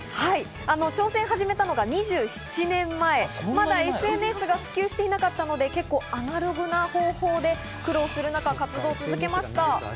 挑戦を始めたのが２７年前、ＳＮＳが普及していなかったのでアナログな方法で苦労して集めました。